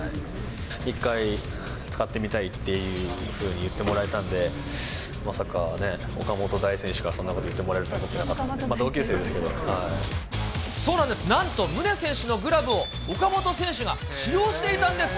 １回使ってみたいっていうふうに言ってもらえたんで、まさかね、岡本大選手からそんなこと言ってもらえると思ってなかったんで、そうなんです、なんと宗選手のグラブを岡本選手が使用していたんです。